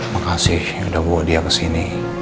makasih udah bawa dia kesini